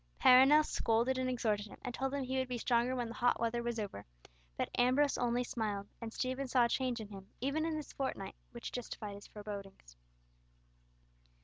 Perronel scolded and exhorted him, and told him he would be stronger when the hot weather was over, but Ambrose only smiled, and Stephen saw a change in him, even in this fortnight, which justified his forebodings.